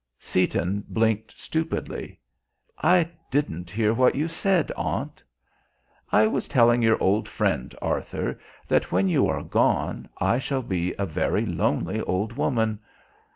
Seaton blinked stupidly. "I didn't hear what you said, Aunt." "I was telling our old friend, Arthur, that when you are gone I shall be a very lonely old woman."